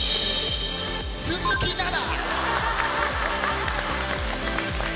鈴木奈々！